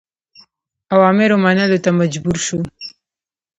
اوامرو منلو ته مجبور شو.